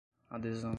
adesão